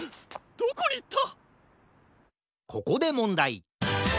どこにいった！？